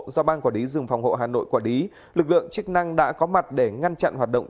do ban quản lý rừng phòng hộ hà nội quản lý lực lượng chức năng đã có mặt để ngăn chặn hoạt động